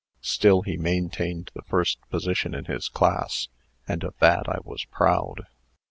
Still he maintained the first position in his class, and of that I was proud.